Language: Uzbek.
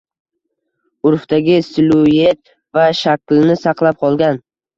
Urfdagi siluyet va shaklni saqlab qolgan.